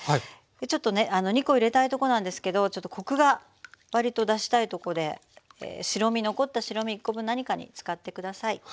ちょっとね２コ入れたいとこなんですけどちょっとコクがわりと出したいとこで残った白身１コ分何かに使って下さい。